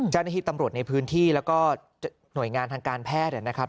เจ้าหน้าที่ตำรวจในพื้นที่แล้วก็หน่วยงานทางการแพทย์นะครับ